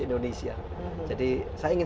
indonesia jadi saya ingin